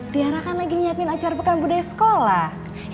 tiara kan lagi nyiapin acara pekan budaya sekolah